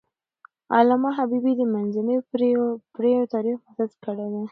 علامه حبيبي د منځنیو پېړیو تاریخ مستند کړی دی.